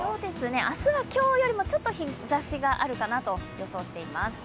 明日は今日よりもちょっと日ざしがあるかなと予想しています。